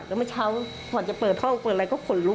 แล้วเมื่อเช้าก่อนจะเปิดห้องเปิดอะไรก็ขนลุก